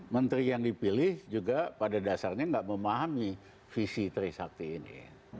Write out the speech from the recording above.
menteri yang dipilih juga pada dasarnya nggak memahami visi trisakti ini